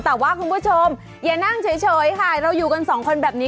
แต่ว่าคุณผู้ชมอย่านั่งเฉยค่ะเราอยู่กันสองคนแบบนี้